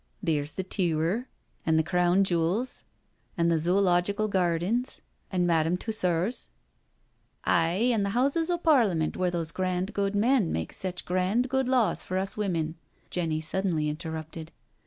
" Theere's the Teawer, an' th' Crown jewels, an' the Zoological Gar dens, an' Madam Tussors "" Aye, an' the Houses o* Parliament where those grand good men make sech grand good laws for us women," Jenny suddenly interrupted.